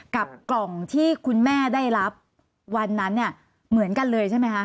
กับกล่องที่คุณแม่ได้รับวันนั้นเนี่ยเหมือนกันเลยใช่ไหมคะ